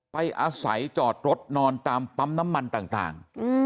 ไปอาศัยจอดรถนอนตามปั๊มน้ำมันต่าง